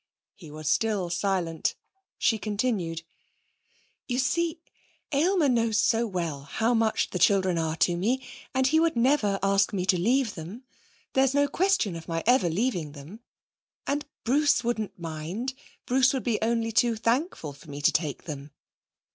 He was still silent. She continued: 'You see, Aylmer knows so well how much the children are to me, and he would never ask me to leave them. There's no question of my ever leaving them. And Bruce wouldn't mind. Bruce would be only too thankful for me to take them.